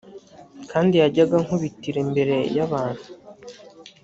kandi yajyaga ankubitira imbere y abantu